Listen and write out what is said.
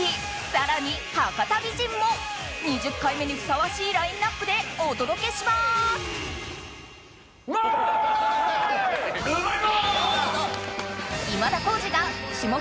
さらに博多美人も２０回目にふさわしいラインアップでお届けしますうまい！